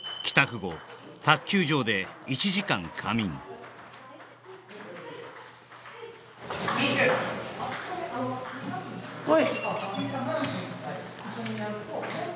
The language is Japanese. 後卓球場で１時間仮眠おい